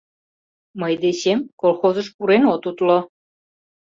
Мый дечем колхозыш пурен от утло.